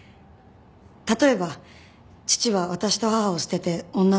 例えば父は私と母を捨てて女と。